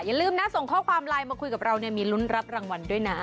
อย่าลืมนะส่งข้อความไลน์มาคุยกับเราเนี่ยมีลุ้นรับรางวัลด้วยนะ